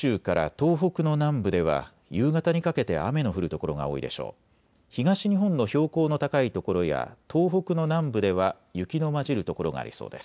東日本の標高の高い所や東北の南部では雪の交じる所がありそうです。